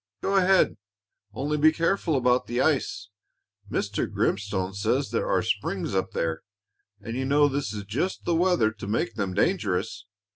"Go ahead, only be careful about the ice. Mr. Grimstone says there are springs up there, and you know this is just the weather to make them dangerous."